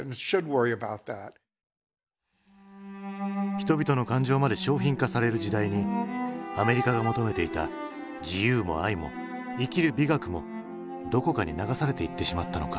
人々の感情まで商品化される時代にアメリカが求めていた自由も愛も生きる美学もどこかに流されていってしまったのか？